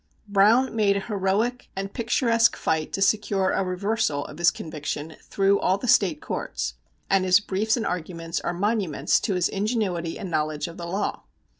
Browne made an heroic and picturesque fight to secure a reversal of his conviction through all the State courts, and his briefs and arguments are monuments to his ingenuity and knowledge of the law.